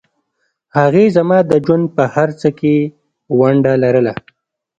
هغې زما د ژوند په هرڅه کې ونډه لرله